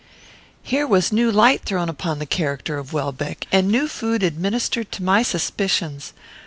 "Here was new light thrown upon the character of Welbeck, and new food administered to my suspicions.